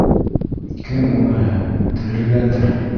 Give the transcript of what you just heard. Кем уныһы, терелгәндер.